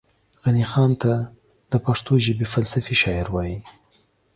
غني خان ته دا پښتو ژبې فلسفي شاعر وايي